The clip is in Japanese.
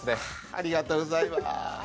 ありがとうございます。